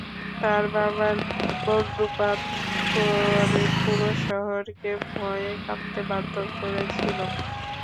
তার বাবার মুন্ডুপাত করে পুরো শহরকে ভয়ে কাঁপতে বাধ্য করেছিলাম।